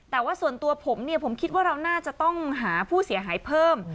แต่ว่าส่วนตัวผมเนี่ยผมคิดว่าเราน่าจะต้องหาผู้เสียหายเพิ่ม